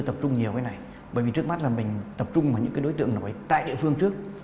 tập trung nhiều hơn về các đối tượng